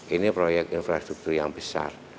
ini proyek infrastruktur yang besar